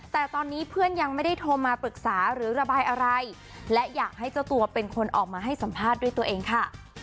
แต่ตอนนี้เพื่อนยังไม่ได้โทรมาปรึกษาหรือระบายอะไรและอยากให้เจ้าตัวเป็นคนออกมาให้สัมภาษณ์ด้วยตัวเองค่ะ